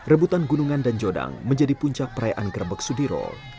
rebutan gunungan dan jodang menjadi puncak perayaan gerbek sudiro